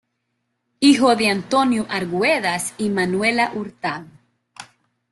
Hijo de Antonio Arguedas y Manuela Hurtado.